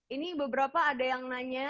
ini beberapa ada yang nanya